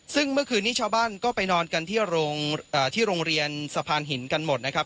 ซึ่งเมื่อคืนนี้ชาวบ้านก็ไปนอนกันที่โรงเรียนสะพานหินกันหมดนะครับ